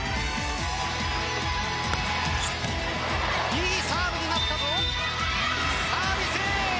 いいサーブになったぞ。